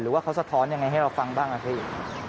หรือว่าเขาสะท้อนอย่างไรให้เราฟังบ้างอาทิตย์